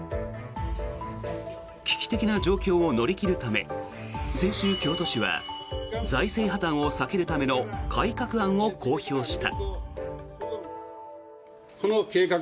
危機的な状況を乗り切るため先週、京都市は財政破たんを避けるための改革案を公表した。